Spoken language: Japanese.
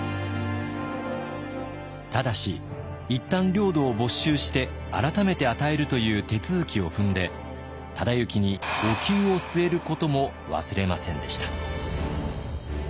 ただしいったん領土を「没収」して改めて与えるという手続きを踏んで忠之にお灸を据えることも忘れませんでした。